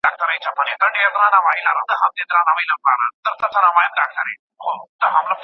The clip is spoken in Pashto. هغه کس چې مقاومت کوي، په تاریخ کې ځای نیسي.